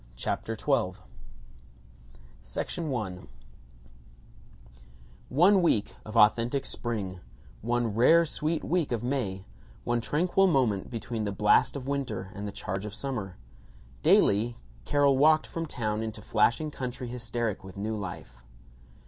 CHAPTER XII ONE week of authentic spring, one rare sweet week of May, one tranquil moment between the blast of winter and the charge of summer. Daily Carol walked from town into flashing country hysteric with new life.